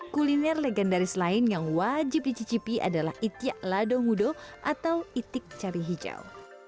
kuliner legendaris lain yang wajib dicicipi adalah itiak lado ngudo atau itik cabai hijau